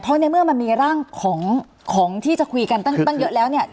เพราะในเมื่อมันมีร่างของที่จะคุยกันตั้งเยอะแล้วเนี่ย